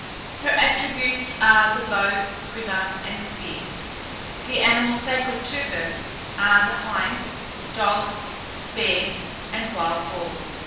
Her attributes are the bow, quiver, and spear. The animals sacred to her are the hind, dog, bear, and wild boar.